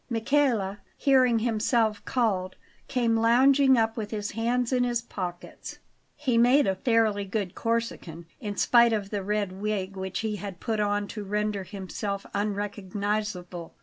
Michele hearing himself called, came lounging up with his hands in his pockets. He made a fairly good Corsican, in spite of the red wig which he had put on to render himself unrecognizable.